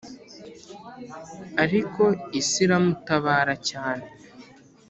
Ariko isi iramutabara cyane